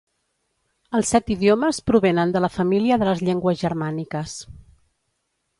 Els set idiomes provenen de la família de les llengües germàniques.